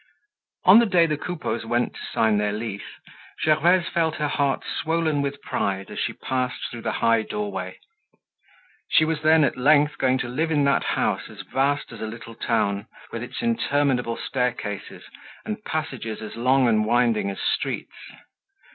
On the day the Coupeaus went to sign their lease, Gervaise felt her heart swollen with pride as she passed through the high doorway. She was then at length going to live in that house as vast as a little town, with its interminable staircases, and passages as long and winding as streets.